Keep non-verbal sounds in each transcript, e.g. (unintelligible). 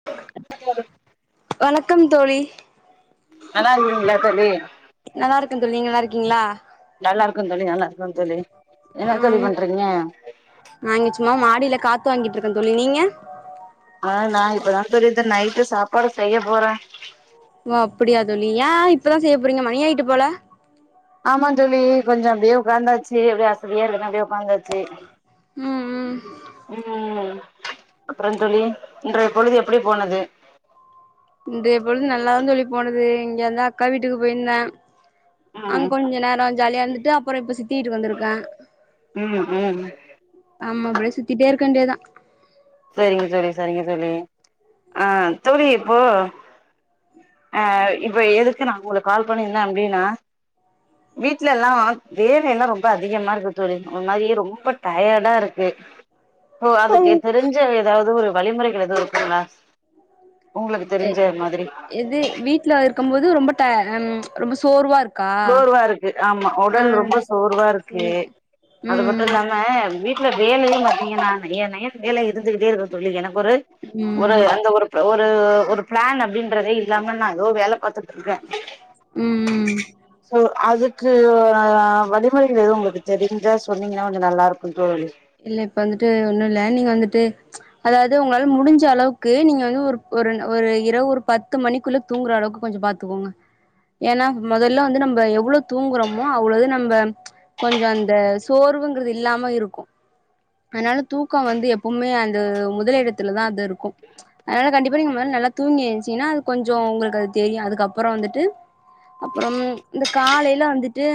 (unintelligible) வணக்கம் தோழி நல்லா இருக்குறீங்களா தோழி நல்லா இருக்கே தோழி நீங்க நல்லார்க்கீங்ளா நல்லா இருக்கோ தோழி நல்லா இருக்கோ தோழி என்னா தோழி பண்றீங்க நா இங்க சும்மா மாடியில காத்து வாங்கிட்ருக்கே தோழி நீங்க ஆ நா இப்ப நா தோழி இது நைட்டு சாப்பாடு செய்ய போறே ஓ அப்டியா தோழி ஏ இப்பதா செய்ய போறீங்க மணியாயிட்டு போல ஆமா தோழி கொஞ்சோ அப்டியே ஒக்காந்தாச்சி அப்டியே அசதியா இருக்குன்னு அப்டியே ஒக்காந்தாச் சே ம் ம் ம் அப்றோ தோழி இன்றைய பொழுது எப்டி போனது இன்றைய பொழுது நல்லா தா தோழி போனது இங்க இருந்து அக்கா வீட்டுக்கு பொயிந்தே அங்க ம் கொஞ்ச நேர ஜாலியா இருந்துட்டு அப்றோ இப்ப சித்தி வீட்டுக்கு வந்துருக்கே ம் ம் ஆமா அப்டியே சுத்திட்டே இருக்க வேண்டியதா செரிங்க தோழி சரிங்க தோழி ஆ தோழி இப்போ ஆ இப்ப எதுக்கு நா ஒங்ளுக்கு கால் பண்ணி என்ன அப்டின்னா வீட்லலா வேலெல்லா ரொம்ப அதிகமா இருக்கு தோழி ஒரு மாரி ரொம்ப டயர்டா இருக்கு ஓ அதுக்கு தெரிஞ்ச எதாது ஒரு வழிமுறைகள் எது இருக்குங்ளா ஒங்ளுக்கு எ தெரிஞ்ச மாதிரி எது வீட்ல இருக்கம் போது ரொம்ப ட ம் ரொம்ப சோர்வா இருக் சோர்வா இருக்கு ஆமா உடல் ரொம்ப சோர்வா சே இருக்கு அது மட்டு ம் இல்லாம வீட் ல வேலையு பாத்தீங்கன்னா நய்ய நய்யனு வேல இருந்துகிட்டே இருக்கு தோழி எனக்கு ஒரு ஒரு ம் அந்த ஒரு ப்ப ஒரு ஒரு பிளான் அப்டின்றதே இல்லாம நா எதோ வேல பாத்துட்ருக்கே ம் ம் சோ அதுக்கு வழிமுறைகள் எதும் ஒங்ளுக்கு தெரிஞ்சா சொன்னீங்கனா கொஞ்ச நல்லா இருக்கு தோழி இல்ல இப்ப வந்துட்டு ஒன்னு இல்ல நீங்க வந்துட்டு அதாது ஒங்களால முடிஞ்ச அளவுக்கு நீங்க வந்து ஒரு ஒரு இரவு ஒரு பத்து மணிக்குள்ள தூங்ற அளவுக்கு கொஞ்ச பாத்துக்கோங்க ஏனா மொதல்ல வந்து நம்ம எவ்ளோ தூங்குறமோ அவ்ளது நம்ம கொஞ்சோ இந்த சோர்வுங்கிறது இல்லாம இருக்கு அதனால தூக்க வந்து எப்போமே அந்த முதல் எடத்துலதா அது இருக்கு அதனால கண்டிப்பா நீங்க மொதல நல்லா தூங்கி ஏன்ச்சிங்கனா அது கொஞ்சோ ஒங்களுக்கு அது தெரியு அதுக்கப்றோ வந்துட்டு அப்றம் இந்த காலைல வந்துட்டு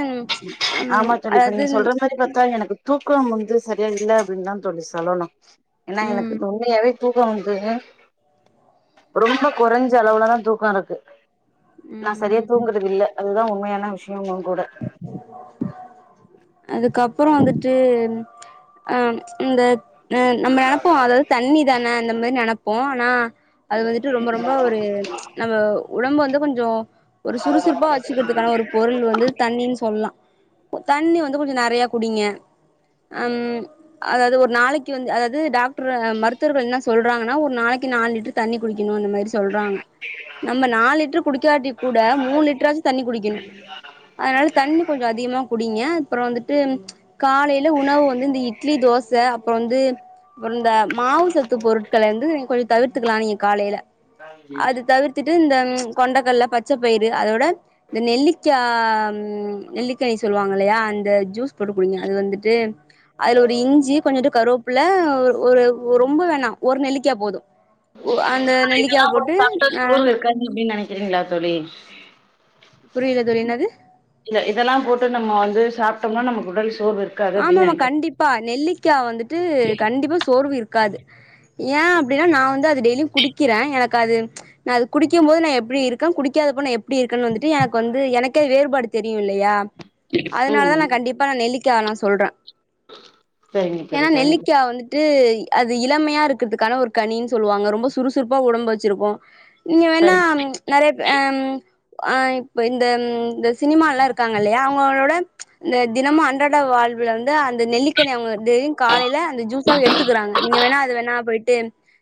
ம் ஆமா தோழி இப்ப அதாவது நீங்க சொல்ற மாரி பாத்தா எனக்கு தூக்கம் வந்து சரியா இல்ல அப்டின்னு தா தோழி சொல்லனு ஏனா எனக்கு ம் இது உண்மையாவே தூக்க வந்து ரொம்ப கொறஞ்ச அளவுல தா தூக்க இருக்கு நா சரியா ம் ம் தூங்குறது இல்ல அதுதா உண்மையான விஷயமு கூட (unintelligible) அதுக்கப்றோ வந்துட்டு அ இந்த ஆ நம்ம நெனப்போ அதாது தண்ணி தானே அந்த மாரி நெனப்பே ஆனா அது வந்துட்டு ரொம்ப ரொம்ப ஒரு நம்ம உடம்பு வந்து கொஞ்சோ ஒரு சுறுசுறுப்பா வச்சிக்கிறதுக்கான ஒரு பொருள் வந்து தண்ணின் சொல்ல தண்ணி வந்து கொஞ்ச நெறையா குடிங்க அம் அதாது ஒரு நாளைக்கு வந்து அதாது டாக்ரு மருத்துவர்கள் என்னா சொல்றாங்கன்னா ஒரு நாளைக்கு நாலு லிட்ரு தண்ணி குடிக்கணு அந்த மாரி சொல்றாங்க நம்ம நாலு லிட்டர் குடிக்காட்டி கூட மூணு லிட்ராச்சும் தண்ணி குடிக்கணு அதனால தண்ணி கொஞ்சோ அதிகமாக குடிங் நியா அப்புறோ வந்துட்டு ம்ச் காலையில உணவு வந்து இந்த இ அப்றோ இந்த மாவு சத்து பொருட்கள வந்து நீ கொஞ்சோ தவிர்த்துக்கலா நீங்க காலையில அது தவிர்த்துட்டு இந்த ம்ச் கொண்டைக்கல்ல பச்ச பயிறு அதோட இந்த நெல்லிக் க்கியாம் நெல்லிக்கனி சொல்லுவாங்க இல்லையா அந்த ஜூஸ் போட்டு குடிங்க அது வந்துட்டு அதுல ஒரு இஞ்சி கொஞ்சோண்டு கருவேப்புல ஒர் ஒரு ஒ ரொம்ப வேணா ஒரு நெல்லிக்கா போது ஓ அந்த நெல்லிக்கா போட்டு அ (unintelligible) ன்னு நெனைக்கிறீங்களா தோழி புரியல தோழி என்னாது இல்ல இதெல்லா போட்டு நம்ம வந்து சாப்பிட்டோம்னா நமக்கு உடல் சோர்வு இருக் ஆமா ஆாம கண்டிப்பா நெல்லிக்கா வந்துட்டு கண்டிப்பா சோர்வு இருக்காது ஏ அப்டின்னா நா வந்து அது டெய்லி குடிக்கிறே எனக் க்காது ம்ச் நா அது குடிக்கும் போது நா எப்படி இருக்க குடிக்காதப்போ நா எப்படி இருக்குன்னு வந்துட்டு எனக்கு வந்து எனக் கே வேறுபாடு தெரியு இல்லையா ம் அதனாலதா நா ம் கண்டிப்பா நா நெல்லிக்கா நா சொல்றே சரிங்க தோழி ஏன்னா சரிங்க நெல்லிக்கா வந்துட் ட்டு அது இளமையா இருக்கிறதுக்கான ஒரு கனின்னு சொல்லுவாங்க ரொம்ப சுறுசுறுப்பா உடம்பு வச்சிருக்கு நீங்க வேணா தோழி, சரி ம்ச் நெறையப் அம் ஆ இப்ப இந்தம் இந்தஸ் சினிமால்ல இருக்காங்க இல்லையா அவங்களோட ம்ச் இந்த தினமு அன்றாட வாழ்வில் வந்து அந்த நெல்லிக் க்கனே அவங்க டெய்லியு காலையில அந்த ஜூஸா எடுத்துக்கறாங்க நீங்க வேணா அது வேணா போயிட்டு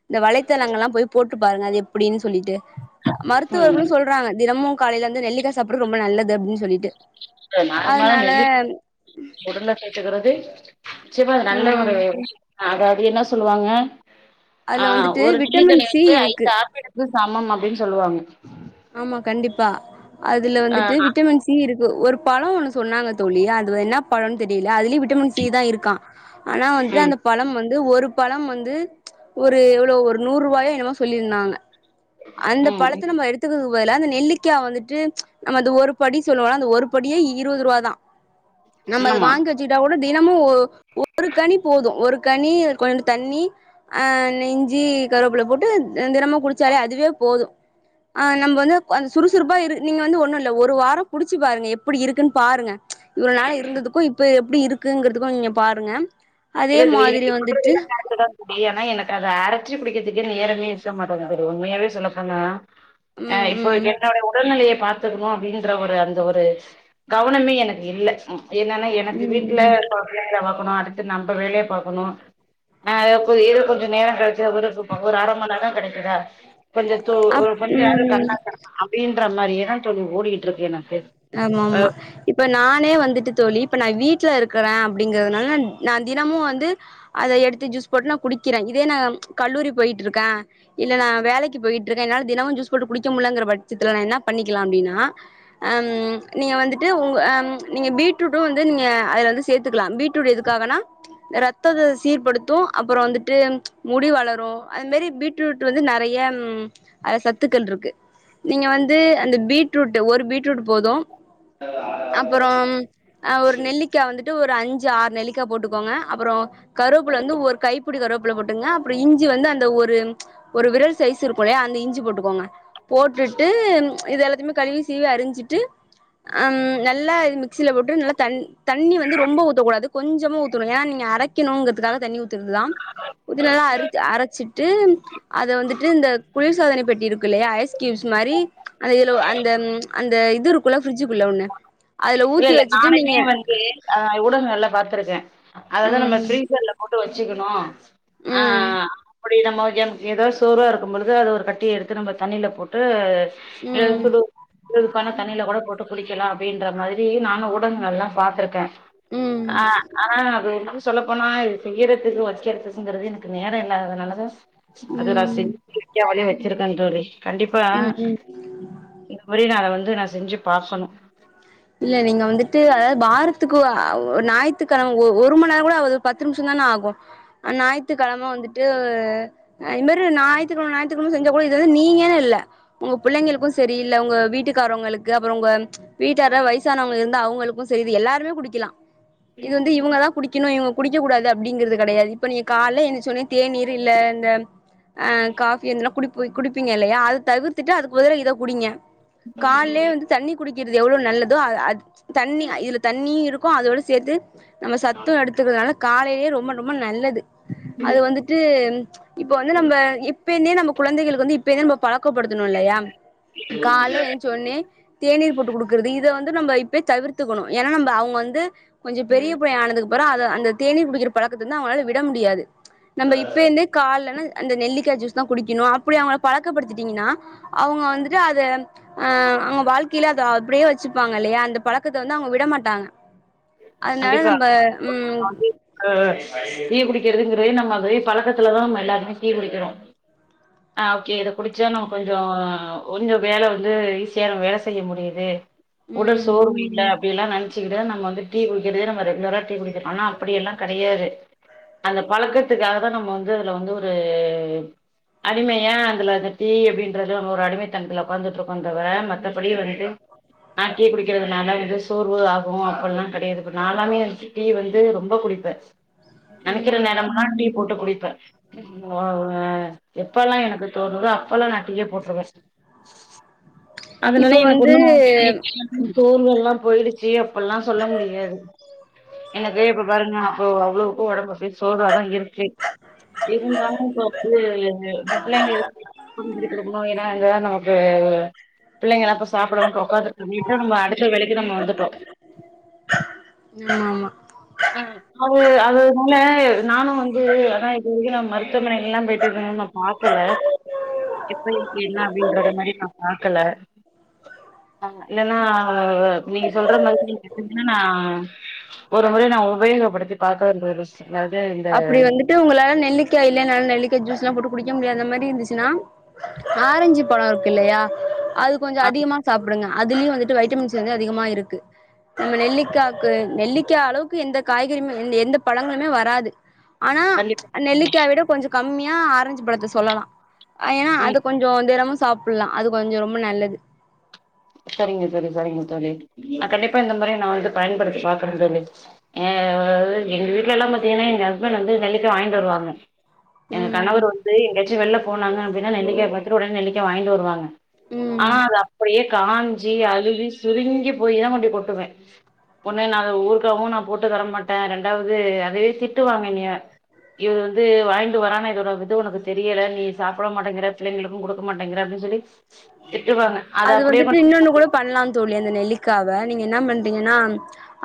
இந்த வலைத்தளங்கள்லா போய் போட்டு பாருங்க அது எப்படின்னு சொல்லிட்டு மருத்துவர்களு ம் சொல்றாங்க தினமு காலையில வந்து நெல்லிக்கா சாப்பிடுறது ரொம்ப நல்லது அப்படின்னு சொல்லிட்டு நார்மலா அதனால நெல்லிக்கா உடல்ல சேத்தக்கிறது நிச்சயமா அது நல்ல ம் ஒரு அதாவது என்ன சொல்லுவாங்க அதுல ஆ வந்துட்டு ஒரு நெல்லி விட்டமின் கனி சி வந்து இருக்கு ஐந்தாப் இது சமம் அப்டின்னு சொல்லுவாங்க ஆமா கண்டிப்பா அதுல ஆ வந்துட்டு விட்டமின்ஸ் சி இருக்கு ஒரு பழம் ஒண்ணு சொன்னாங்க தோழி அது என்ன பழோனு தெரியல அதுலயு விட் விட்டமின் சி தா இருக்கா ஆனா வந்துட்டு ம் அந்தப் பழம் வந்து ஒரு பழம் வந்து ம்ச் ஒரு எவ்வளோ ஒரு நூறு ரூபாயோ என்னமோ சொல்லியிருந்தாங்க அந்த‌ ம் பழத்த நம்ப ம் எடுத் த்துக்கு பதில அந்த நெல்லிக்கா வந்துட்டு ம்ச் நம்ம அந்த ஒரு படி சொல்லுவோல அந்த ஒரு படியே இருபது ரூபா தா நம்ப அது ஆமா வாங்கறது ச்சிட்டா கூட தினமு ஒரு கனி போதும் ஒரு கனி கொஞ்சோண்டு தண்ணி ஆ இஞ்சி கருவேப்புல போட்டு தினமு குடிச்சாலே அ இதுவே போதும் ஆ நம்ப வந்து (unintelligible) சுறுசுறுப்பா இரு நீங்க வந்து ஒண்ணு இல்ல ஒரு வாரோ குடிச்சு பாருங்க எப்படி இருக்குன்னு பாருங்க ம்ச் இவ்ள நால இருந்ததுக்கு இப்ப எப்படி இருக்குங்கிறதுக்கு நீங்க பாருங்க அதே இல்ல தோழி (inaudible) மாதிரி வந்துட்டு குடி ஆனா எனக்கு அத அரைச்சு குடிக்கிறதுக்கு நேரமே இருக்க மாட்டாங்குது ஒரு உண்மையாவே சொல்ல போனா ஆ ம் இப்போ ம் என்னோட ரூம் உடல் நிலைய பாத்துக்கணு அப்டின்ற ஒரு அந்த ஒரு கவனமே எனக்கு இல்ல ம் என்னன்னா எனக்கு வீட்டுல ம் இருக்கிற புள்ளைங்கள பாக்கணு அடுத்து நம்ப வேலைய பாக்கணு ஆ இது வந்து இது கொஞ்ச நேரோ கிடைச்சா கூட தூக்கோ ஒரு அர மணி நேரோ தா கெடைக்குதா கொஞ்ச து ஒரு அப் கொஞ்ச நேரோ ம் கண்ணசரலா அப்டின்ற மாரியேதா தோழி ஓடிக்கிட்ருக்கு எனக்கு அ ஆமாம்மா இப்ப நானே வந்துட்டு தோழி இப்ப நா வீட்ல இருக்குறே அப்டிங்கிறதுனால நா தினமு வந்து அத எடுத்து ஜூஸ் போட்டு நா குடிக்கிறே இதே நா கல்லூரி போயிட்ருக்கே இல்ல நா வேலக்கி போயிட்ருக்கே என்னால தினமு ஜூஸ் போட்டு குடிக்க முல்லங்கிற பட்சத்துல நா என்ன பண்ணிக்கலா அப்டின்னா அம் நீங்க வந்துட்டு உங்க அம் நீங்க பீட்ரூட்டு வந்து நீங்க அதுல வந்து சேத்துக்கலா பீட்ரூட் எதுக்காகனா ரத்தத்த சீர்படுத்து அப்பறொ வந்துட்டு முடி வளரு அது மாரி பீட் ரூட் வந்து நெறைய அது சத்துக்கள்ருக்கு நீங்க வந்து அந்த பீட்ரூட்டு ஒரு பீட்ரூட் போது அப்பறோம் ஆ ஒரு நெல்லிக்கா வந்து ட்டு ஒரு அஞ்சு ஆற் நெல்லிக்கா போட்டுக்கோங்க அப்பறோ கருவப்புல வந்து ஒரு கை ப்புடி கருவேப்புல போட்டுங்க அப்றொ இஞ்சி வந்து அந்த ஒரு ஒரு விரல் சைஸ் இருக்குலயா அந்த இஞ்சி போட்டுக்கோங்க போட்டுட்டு ம் இது எல்லாத்திம்மே கழுவி சீவி அரிஞ்சிட்டு அம் நல்லா இது மிக்சில போட்டு நல்லா தண் தண்ணி வந்து ரொம்ப ஊத்தக்கூடாது கொஞ்சமா ஊத்தனு ஏனா நீங்க அரை க்கினுங்கத்துக்காக தண்ணி ஊ திருதுதாம் புதினால அரிச்சி அரச்சிட்டு அதவந்துட்டு இந்த குளிர் சாதனை பெட்டி இருகில்லயா ஐஸ் கியூப்ஸ் மாரி அந்த எலோ அந்தம் அந்த இது இருக்குள்ள ஃபிரிட்ஜுக்குள்ள ஒன்னு அதுல ஊத்தி வச்சிட்டு நீங்க கே ஆ ஊடகங்கள்ல பாத்துருக்கே அததா ம் நம்ம ஃபிரீசர்ல போட்டு வச்சுக்குனு அ‌‌ அ‌ ம் ஆ அப்பிடி நம்ம எந் எதோ சோர்வா இருக்கும்போழுது அத ஒரு கட்டிய எடுத்து நம்ப தண்ணில போட்டு இல்ல ம் சுடு வெதுவெதுப்பான தண்ணில கூட போட்டு குடிக்கலா அப்டின்ற மாரி இப்டி நானு ஊடகங்கள்லா பாத்துருக்கே ம் ம் ஆ ஆனா அது வந்து சொல்லப்போனா இது செய்யிறதுக்கு ஃபஸ்ட்டு (unintelligible) எனக்கு நேரொ இல்லாததுனாலதா அது நா ம் செஞ்சிருக்காவலே வச்சிருக்கே தோழி கண்டிப்பா ம் இப்படி நா அத வந்து நா செஞ்சி பாக்கனு இல்ல நீங்க வந்துட்டு அதா பாரத்துக்கு ஒ ஞாயித்துக்கெழம ஒ ஒரு மண்நேரகூட ஆவாது பத்து நிம்ஷொந்தான ஆகு அ ஞாயித்துக்கெழம வந்துட்டு ஆ இன்மேரு ஞாயித்துகெழம ஞாயித்துகெழம செஞ்சாக்கூட இதுவந்து நீங்கன்னில்ல உங்க புள்ளைங்களுக்கு செரி இல்ல உங்க வீட்டுக்காரவுங்களுக்கு அப்றொ உங்க வீட் ல யாரா வயசானவ்ங்க இருந்தா அவுங்களுக்கு செரி இது எல்லாருமே குடிக்கலா இது வந்து இவுங்கதா குடி க்கின்னு இவுங்க குடிக்ககூடாது அப்டிங்றது கெடையாது இப்ப நீ கால்ல எந்திச்சோனே தேநீரு இல்ல இந்த ஆ காஃபி அந்தெல்லா குடிப்பு குடிப்பீங்க இல்லயா அது தவிர்த்துட்டு அதுக்கு பதிலா இத குடிங்க கால்லே வந்து தண்ணி குடிக்கிற து எவ்ளோ நல்லதோ அ அத் தண்ணி இதுல தண்ணியு இருக்கு அதோட சேத்து நம்ம சத்து எடுத்துக்கிறனால காலைலே ரொம்ப ரொம்ப நல்லது அது வந்துட்டு இப்போ வந்து நம்ப இப்பேந்தே நம்ப குழந்தைகளுக்கு வந்து இப்பேந்தே நம்ப பழக்கப்படுத்தனு இல்லயா கால்ல என்ச்சோன்னே தேநீர் போட்டு குடு க்குறது இத வந்து நம்ப இப்பே தவிர்த்துக்கனு ஏனா நம்ப அவுங்க வந்து கொஞ்சொ பெரிய பைய ஆனதுக்கப்புறொ அத அந்த தேநீர் குடிக்குற பழக்கத்த வந்து அவுங்களால விட முடியாது நம்ப இப்ப இந்தே கால்லனா அந்த நெல்லிக்கா ஜூஸ் தா குடிக்கனு அப்பிடி அவுங்கள பழக்கப்படுத்திட்டீங்கனா அவுங்க வந்துட்டு அத ஆ அங்க வாழ்கைலே அதா அப்பிடியே வச்சுப்பாங்க இல்லயா அந்த பழக்கத்த வந்து அவுங்க விட மாட்டாங்க அதுனால நம்ப ம் ஆ டீ குடிக்கிறதுங்குறதே நம்ம அதே பழக்கத்துலதா நம்ம எல்லாருமே டீ குடிக்கிறோ ஆ ஓகே இத குடுச்சா நம்ம கொஞ்சோ கொஞ்சொ வேல வந்து ஈசியா நம் வேல செய்ய முடியிது உடல் ம் சோர்வு இல்ல அப்டில்லா நெனச்சிகிட்டு நம்ம வந்துட் டீ குடிக்குறதே நம்ப ரெகுலர்ரா டீ குடிக்கிறோ ஆனா அப்படி எல்லாகெடையாது அந்த பழக்கத்துக்காகதா நம்போ வந்து அதுல வந்து ஒரு அடிமையா அந்துல அந்த டீ அப்டின்றது நம்ம ஒரு அடிமைத்தனத்துல உக்காந்துட்டுருக்கோ தவர மத்தபடி வந்து ஆ டீ குடிக்குறதுனால இது சோர்வு ஆகு அப்புல்லா கெடையாது இப்ப நால்லாமே வந்து டீ வந்து ரொம்போ குடிப்ப நெனைக்கிற ம் நேரமெல்ல டீ போட்டு குடிப்ப (unintelligible) எப்பெல்லா எனக்கு தோணுதோ அப்பெல்லா நா டீயா போட்டுருவ அதுனால இப்போ எனக்கு வந்து ஒண்ணு (unintelligible) சோர்வெல்லா போயிடுச்சி அப்பல்லா சொல்ல முடி யாது எனக்கே இப்ப பாருங்க அப்போ அவ்ளோக்கு உடம்புக்கு அப்டியே சோர்வாதா இருக்கு இருந்தாலு இப்ப வந்து பிள்ளைங்கள குடுக்கணு ஏன்னா அங்க தா நம்க் இப்ப பிள்ளைங்களா சாப்ட உக்காந்துட்டு நம்ம அடுத்த வேலைக்கு நம்ம வந்துட்டோ ஆமா ஆமா ஆ அது அது அதனால நானு வந்து ஆனா இது வரைக்கு நம்ம மருத்துவமனைகல்லா போயிட்டு எதுவொன்னு நா பாக்கல இப்ப என்னா அப்டின்ற மாரி நா பாக் க்கல இல்லன்னா நீங்க சொல்ற மாதிரி (inaudible) ஆனா நா ஒரு முறை நா உபயோகப்படுத்தி பாக்க வேண்டிய என்னாது இந்த டு உங்களாள நெல்லிக் இல்லேனாலு நெல்லிக்கா ஜூஸ்லா போட்டு குடிக்க முடியாத மாதிரி இருந்துச்சுனா ஆரஞ்சிப் பழோ இருக்கு இல்லையா அது கொஞ்சோ ஆ அதிகமா சாப்டுங்க அதுலயு வந்துட்டு வைட்டமின்ஸ் வந்து அதிகமா இருக்கு நம்ம நெல்லிக்காக்கு நெல்லிக்கா அளவுக்கு எந்த காய்கறியுமே எ எந்த பழங்களுமே வராது ஆனா கண்டிப்பா ச் நெல்லிக்கா விட கொஞ்சோ கம்மியா ஆரஞ்சு பழத்த சொல்லலா ஏனா அது ம் கொஞ் கொஞ்சோ தெனமு சாப்பல்லா அது கொஞ்சோ ரொம்ப நல்லது சரிங்க தோழி சரிங்க தோழி நா கண்டிப்பா இந்த மாரியே நா வந்து பயன்படுத்தி பாக்குற தோழி எ உ எங்க வீட்லல்லா பாத்தீங்கன்னா எங்க ஹஸ்பண்ட்டு வந்து நெல்லிக்கா வாங்கிட்டு வருவாங்க எங்க ம் கணவர் வந்து எங்கயாச்சு வெளில போனாங்க அப்டின்னா நெல்லிக்காவ பாத்துட்டு உடனே நெல்லிக்ஙா வாங்கிட்டு வருவாங்க ம் ஆனா அது அப்படியே காஞ்சி அழுவி சுருங்கி போயி தா கொண்ட்போய் கொட்டுவே ஒன்னு நா அத ஊருக்காவு நா போட்டு தரமாட்டே ரெண்டாவது அதுவே திட்டு வாங்க என்னய இது வந்து வாங்கிட்டு வரான இதோட இது உனக்கு தெரியல நீ சாப்ட மாட்டேங்குற பிள்ளைளுக்கு குடுக் க மாட்டேங்கிற அப்டின்னு சொல்லி திட்டுவாங்க அத அது வந்துட்டு இன்னொன்னு கூட பண்லா தோழி அந்த நெல்லிக்காவ நீங்க என்ன பண்றீங்கனா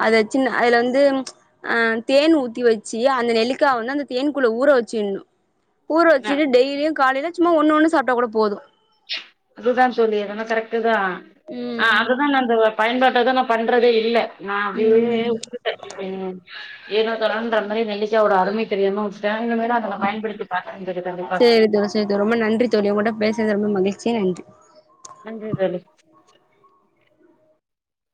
அது சின்ன அதுல வந்து ச் அ தேன் ஊத்தி வெச்சி அந்த நெல்லிக்கா வந்து அந்த தேன்க்குள்ள ஊற வெச்சிணு ஊற அ வெச்சுட்டு டெய்லியு காலையில சும்மா ஒண்ணு ஒண்ணு சாப்ட்டா கூட போது அதுதா தோழி அதென்னவோ கரெக்டு தா ஆ ம் அதுதா நா அந்த வொர் பயன்பாட்டத நா பண்றதே இல்ல நா அப்டியே ம் ம் ஏனோ தானோனுன்ற மாரி நெல்லிக்காவோட அருமை தெரியாம ஜனங்கலுமேதா அதுல பயன்படுத்தி பாக்கலா தெரியிதா கண்டிப்பா செரி தோழி ரொம்ப நன்றி தோழி உங்கள்ட்ட கூட பேசனது ரொம்ப மகிழ்ச்சி நன்றி நன்றி தோழி